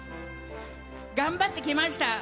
頑張ってきました。